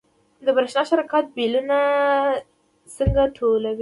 د برښنا شرکت بیلونه څنګه ټولوي؟